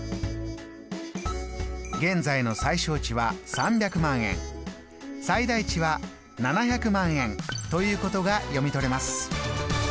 現在の最小値は３００万円最大値は７００万円ということが読み取れます。